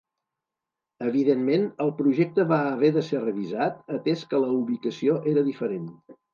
Evidentment el projecte va haver de ser revisat, atès que la ubicació era diferent.